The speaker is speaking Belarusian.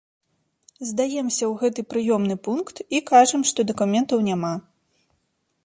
Здаемся ў гэты прыёмны пункт і кажам, што дакументаў няма.